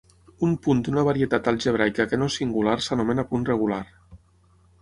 Un punt d'una varietat algebraica que no és singular s'anomena punt regular.